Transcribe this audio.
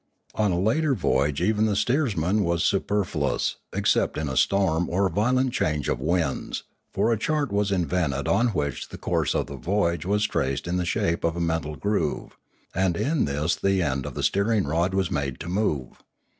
On a later voyage even the steersman was superfluous, except in a storm or violent change of winds; for a chart was invented on which the course of the voyage was traced in the shape of a metal groove, and in this the end of the steering rod was made to move.